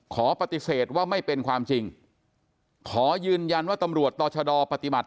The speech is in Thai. ขอปฏิเสธว่าไม่เป็นความจริงขอยืนยันว่าตำรวจต่อชะดอปฏิบัติ